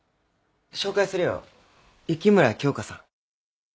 紹介するよ雪村京花さん